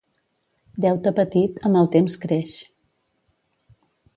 Deute petit, amb el temps creix.